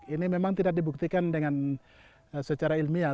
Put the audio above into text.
ini memang tidak dibuktikan dengan secara ilmiah